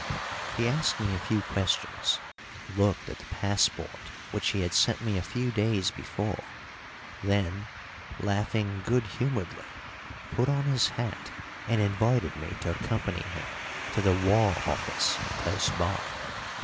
He asked me a few questions, looked at the passport which he had sent me a few days before, then, laughing good humouredly, put on his hat and invited me to accompany him to the War Office close by.